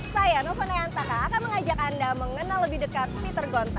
saya nova nayantaka akan mengajak anda mengenal lebih dekat peter gonta